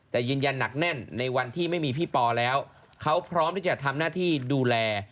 แต่ยืนยันหนักแน่นในวันที่ไม่มีพี่ปอแล้วเขาพร้อมที่จะทำหน้าที่ดูแล